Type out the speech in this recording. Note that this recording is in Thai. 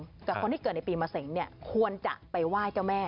กับคนที่เกิดในปีมะเสงเนี่ยควรจะไปไหว้เจ้าแม่